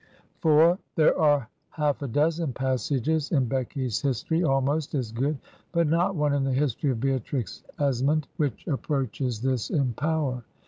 IV There are half a dozen passages in Becky's history almost as good, but not one in the history of Beatrix Esmond which approaches this in power.